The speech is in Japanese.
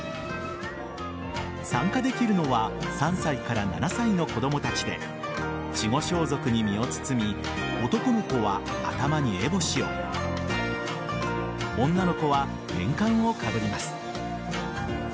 参加できるのは３歳から７歳の子供たちで稚児装束に身を包み男の子は頭にえぼしを女の子は天冠をかぶります。